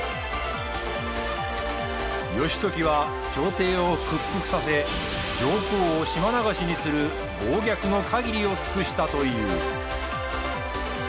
義時は朝廷を屈服させ上皇を島流しにする暴虐の限りを尽くしたという。